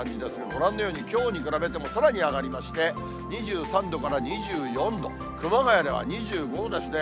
ご覧のように、きょうに比べてもさらに上がりまして、２３度から２４度、熊谷では２５ですね。